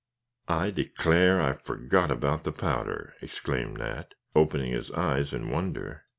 "I declare, I forgot about the powder!" exclaimed Nat, opening his eyes in wonder.